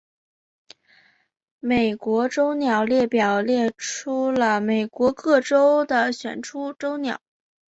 美国州鸟列表列出了美国各州的选出州鸟。